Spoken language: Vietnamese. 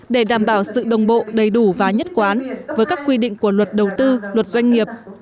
để đảm bảo sự đồng bộ đầy đủ và nhất quán với các quy định của luật đầu tư luật doanh nghiệp